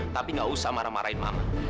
tapi gak usah marah marahin mama